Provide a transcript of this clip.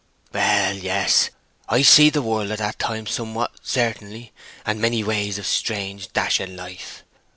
"Well, yes. I seed the world at that time somewhat, certainly, and many ways of strange dashing life.